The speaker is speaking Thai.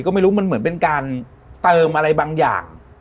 ก็ไม่รู้มันเหมือนเป็นการเติมอะไรบางอย่าง